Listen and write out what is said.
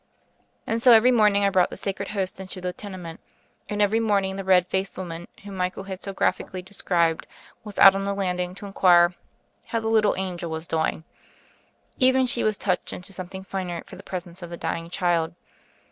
And so every morning I brought the Sacred Host into the tenement ; and every morning the red faced woman, whom Michael had so graphi cally described, was out on the landing to inquire how the "little angel" was doing. Even she was touched into something finer for the pres ence of the dying child.